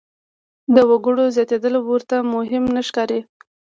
د وګړو زیاتېدل ورته مهم نه ښکاري.